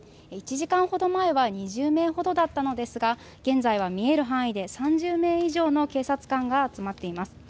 １時間ほど前は２０名ほどだったのですが現在は見える範囲で３０名以上の警察官が集まっています。